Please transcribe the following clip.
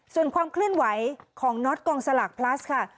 ส่วนความเคลื่อนไหวของน็อตกองสลากพลัสค่ะ